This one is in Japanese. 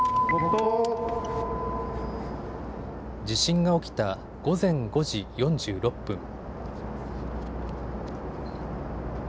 地震が起きた午前５時４６分。